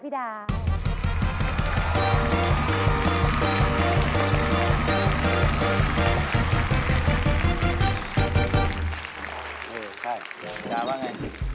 พี่ดาร์ว่าไง